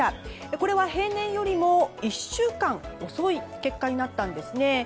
これは平年よりも１週間遅い結果になったんですね。